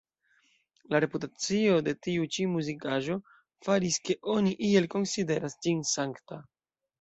La reputacio de tiu ĉi muzikaĵo faris, ke oni iel konsideras ĝin sankta.